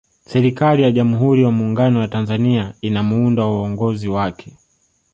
serikali ya jamhuri ya muungano wa tanzania ina muundo wa uongozi wake